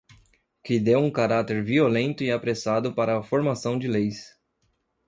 Que deu um caráter violento e apressado para a formação de leis.